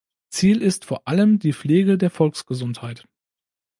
Ziel ist vor allem die Pflege der Volksgesundheit.